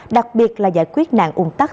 đặc biệt là giải quyết nạn ung tắc